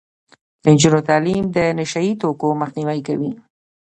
د نجونو تعلیم د نشه يي توکو مخنیوی کوي.